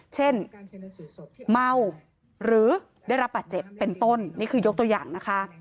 เช่นเมาหรือได้รับบาดเจ็บเป็นต้นนี่คือยกตัวอย่างนะคะ